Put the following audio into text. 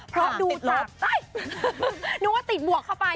เพราะดูจากนึกว่าติดบวกเข้าไป